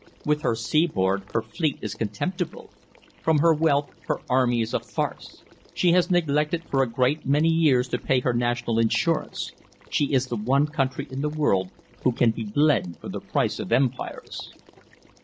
With her seaboard, her fleet is contemptible. For her wealth, her army is a farce. She has neglected for a great many years to pay her national insurance. She is the one country in the world who can be bled for the price of empires."